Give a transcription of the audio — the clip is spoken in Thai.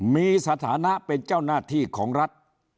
มีสถานะเป็นเจ้าหน้าที่ของรัฐ